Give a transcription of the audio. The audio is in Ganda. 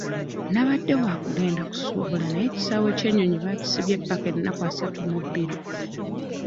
Nabadde wa kugenda kusuubula naye ekisaawe ky'ennyoni baakisibye ppaka ennaku asatu mu bbiri.